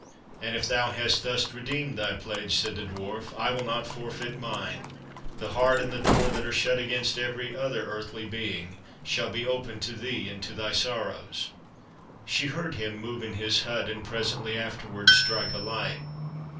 "And if thou hast thus redeemed thy pledge," said the Dwarf, "I will not forfeit mine. The heart and the door that are shut against every other earthly being, shall be open to thee and to thy sorrows." She heard him move in his hut, and presently afterwards strike a light.